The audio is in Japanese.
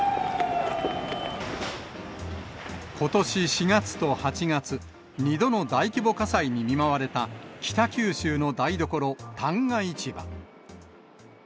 ことし４月と８月、２度の大規模火災に見舞われた、北九州の台所、旦過市場。